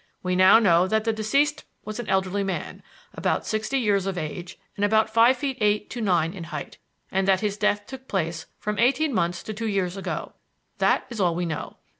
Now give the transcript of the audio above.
We now know that the deceased was an elderly man, about sixty years of age, and about five feet eight to nine in height; and that his death took place from eighteen months to two years ago. That is all we know.